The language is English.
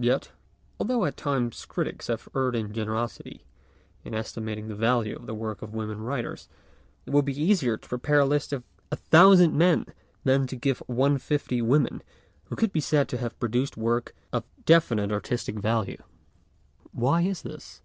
Yet, although at all times critics have erred in generosity in esti mating the value of the work of women writers, it would be easier to prepare a list of a thousand men than to give one of fifty women who could be said to have produced work of definite artistic value. Why is this?